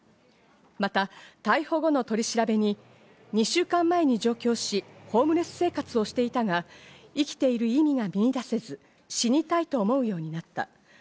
また逮捕後の取り調べに、２週間前に上京し、ホームレス生活をしていたが、生きている意味が見いだせず、死にたいと思うようになった。